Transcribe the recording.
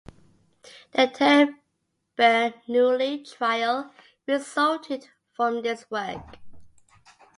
The term Bernoulli trial resulted from this work.